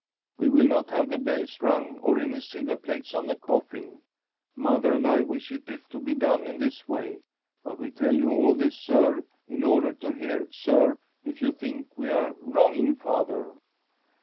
* We will not have the bells rung, or any silver plates on the coffin. Mother and I wish it to be done in this way, but we tell you all this, sir, in order to hear, sir, if you think we are wronging father.'